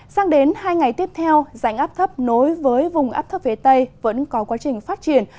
sang đến hai ngày tiếp theo rãnh áp thấp nối với vùng áp thấp phía tây vẫn có quá trình phát triển